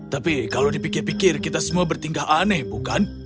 tapi kalau dipikir pikir kita semua bertingkah aneh bukan